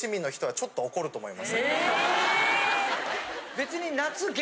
・別に。